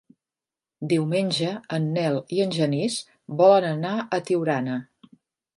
Diumenge en Nel i en Genís volen anar a Tiurana.